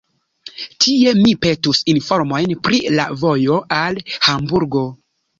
Tie mi petus informojn pri la vojo al Hamburgo.